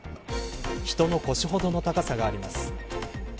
人の腰ほどの高さがあります。